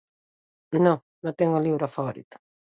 No. No tengo libro favorito.